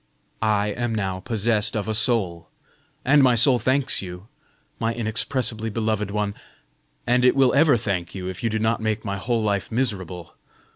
I am now possessed of a soul, and my soul thanks you, my inexpressibly beloved one, and it will ever thank you, if you do not make my whole life miserable.